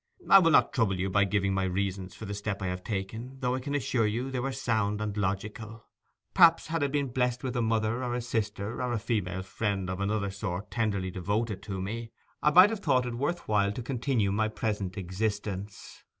I will not trouble you by giving my reasons for the step I have taken, though I can assure you they were sound and logical. Perhaps had I been blessed with a mother, or a sister, or a female friend of another sort tenderly devoted to me, I might have thought it worth while to continue my present existence.